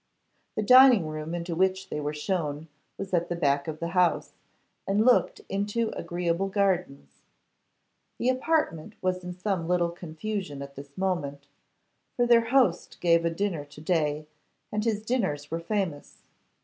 The dining room into which they were shown was at the back of the house, and looked into agreeable gardens. The apartment was in some little confusion at this moment, for their host gave a dinner to day, and his dinners were famous.